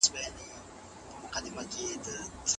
که پناه غوښتونکی مسلمان وي يا کافر، حق يې خوندي دی.